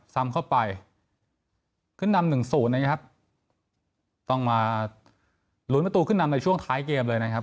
ซ้ำเข้าไปขึ้นนำหนึ่งศูนย์นะครับต้องมาลุ้นประตูขึ้นนำในช่วงท้ายเกมเลยนะครับ